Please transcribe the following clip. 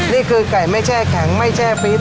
นี่คือไก่ไม่แช่แข็งไม่แช่ฟีด